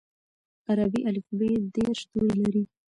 عربي الفبې دېرش توري لري.